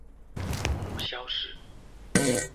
母萧氏。